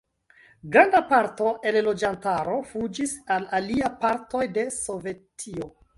Granda parto el loĝantaro fuĝis al aliaj partoj de Sovetio.